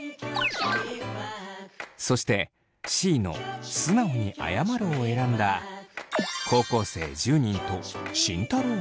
そしてＣの素直に謝るを選んだ高校生１０人と慎太郎は？